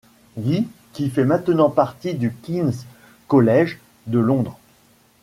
Guy, qui fait maintenant partie du King's College de Londres.